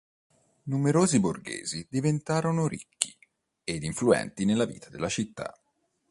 Numerosi borghesi diventano ricchi ed influenti nella vita della città.